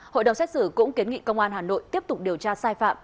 hội đồng xét xử cũng kiến nghị công an hà nội tiếp tục điều tra sai phạm